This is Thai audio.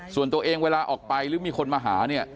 ส่วนตัวเองเวลาออกไปหรือมีคนมาหาเนี่ย